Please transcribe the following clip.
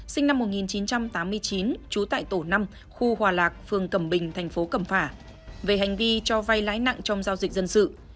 sinh năm một nghìn chín trăm tám mươi chín trú tại tổ năm khu hòa lạc phường cẩm bình thành phố cẩm phả về hành vi cho vay lãi nặng trong giao dịch dân sự